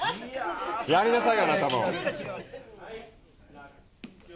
やりなさいよ